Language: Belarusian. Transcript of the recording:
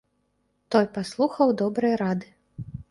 Той паслухаў добрай рады.